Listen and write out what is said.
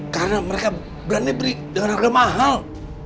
karena mereka berani beri dengan harga mahal